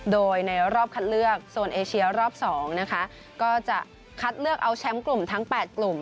โดยในรอบคัดเลือกโซนเอเชียรอบ๒นะคะก็จะคัดเลือกเอาแชมป์กลุ่มทั้ง๘กลุ่ม